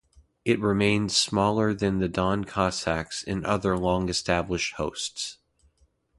It remained smaller than the Don Cossacks and other longer-established Hosts.